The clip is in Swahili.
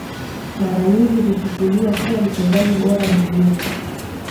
Mara nyingi huchukuliwa kuwa mchezaji bora dunia